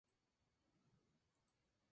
A partir de cero con su material.